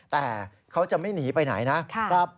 แต่เขาจะไม่หนีไปไหนนะครับ